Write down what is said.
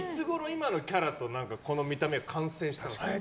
今のキャラとこの見た目は完成したんですか？